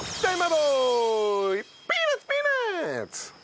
ピーナツピーナツ！